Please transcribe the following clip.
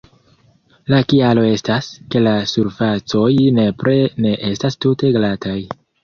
La kialo estas, ke la surfacoj nepre ne estas tute glataj.